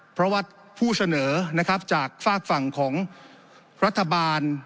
เพราะว่าผู้เสนอนะครับจากฝากฝั่งของรัฐบาล